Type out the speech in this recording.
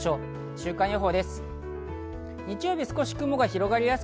週間予報です。